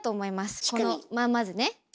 このままずね？